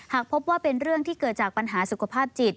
หากพบว่าเป็นเรื่องที่เกิดจากปัญหาสุขภาพจิต